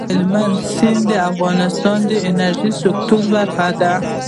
هلمند سیند د افغانستان د انرژۍ سکتور برخه ده.